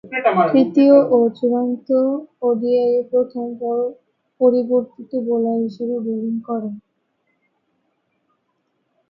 তৃতীয় ও চূড়ান্ত ওডিআইয়ে প্রথম পরিবর্তিত বোলার হিসেবে বোলিং করেন।